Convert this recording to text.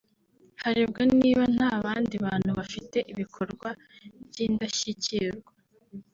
harebwa niba nta bandi bantu bafite ibikorwa by’indashyikirwa